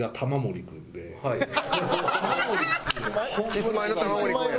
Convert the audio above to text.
キスマイの玉森君や。